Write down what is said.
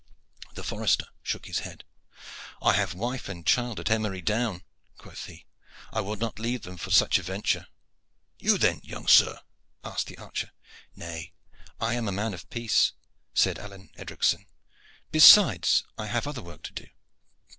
The forester shook his head. "I have wife and child at Emery Down," quoth he; "I would not leave them for such a venture." "You, then, young sir?" asked the archer. "Nay, I am a man of peace," said Alleyne Edricson. "Besides, I have other work to do."